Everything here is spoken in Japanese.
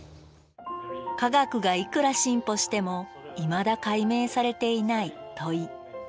科学がいくら進歩してもいまだ解明されていない問い。